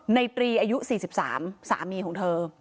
ตรีอายุ๔๓สามีของเธอ